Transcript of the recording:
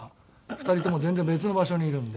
２人とも全然別の場所にいるので。